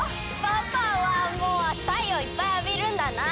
パパはもうたいよういっぱいあびるんだな！